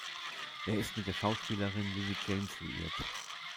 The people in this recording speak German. Er ist mit der Schauspielerin Lily James liiert.